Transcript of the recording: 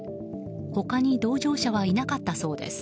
他に同乗者はいなかったそうです。